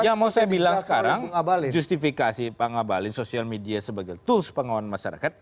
yang mau saya bilang sekarang justifikasi pak ngabalin sosial media sebagai tools pengawasan masyarakat